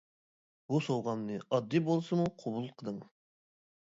بۇ سوۋغامنى ئاددىي بولسىمۇ قوبۇل قىلىڭ.